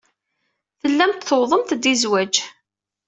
Tellamt tuwḍemt-d i zzwaj.